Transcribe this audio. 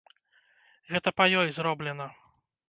Гэта па ёй зроблена.